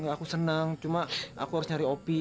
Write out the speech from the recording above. aku senang cuma aku harus nyari opi